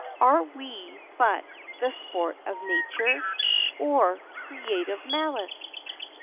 Are we but the sport of nature, Or creative malice